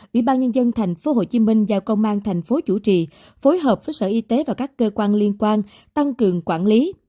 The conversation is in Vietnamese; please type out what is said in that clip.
ủy ban nhân dân tp hcm giao công an thành phố chủ trì phối hợp với sở y tế và các cơ quan liên quan tăng cường quản lý